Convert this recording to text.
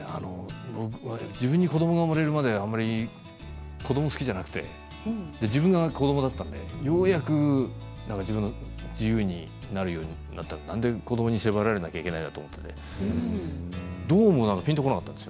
自分に子ども生まれるまであまり子どもが好きじゃなくて自分が子どもだったのでようやく自分が自由になれるようになったのになんで子どもに縛られないといけないのかとピンとこなかったんです。